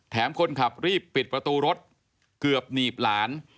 คนขับรีบปิดประตูรถเกือบหนีบหลาน